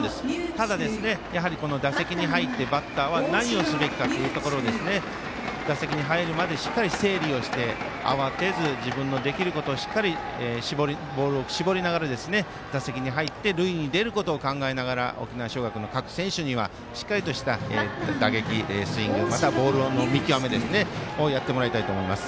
ただ打席に入っているバッターは何をすべきかというところを打席に入るまでしっかり整理をして慌てず自分のできることをしっかりしてボールを絞りながら打席に入って塁に出ることを考えながら沖縄尚学の各選手にはしっかりとした打撃、スイングまたボールの見極めをやってほしいです。